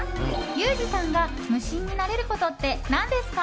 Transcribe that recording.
ユージさんが無心になれることって何ですか？